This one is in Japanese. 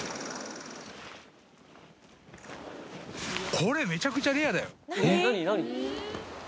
これ、めちゃくちゃレアだよ。